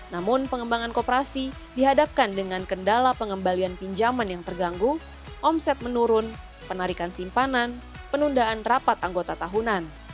namun pengembangan koperasi dihadapkan dengan kendala pengembalian pinjaman yang terganggu omset menurun penarikan simpanan penundaan rapat anggota tahunan